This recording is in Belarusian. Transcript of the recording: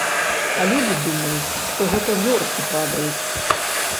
А людзі думаюць, што гэта зоркі падаюць.